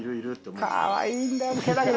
かわいいんだよ。